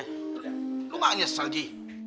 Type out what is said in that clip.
lu mah nyesel ji